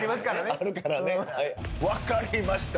あるからねわかりました